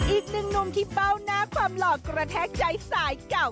อีกหนึ่งหนุ่มที่เป้าหน้าความหล่อกระแทกใจสายเก่า